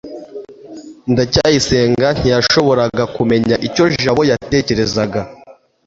ndacyayisenga ntiyashoboraga kumenya icyo jabo yatekerezaga